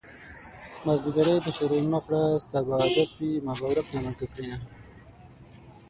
مازديګری دی ښېرې مکړه ستا به عادت وي ما به ورک له ملکه کړينه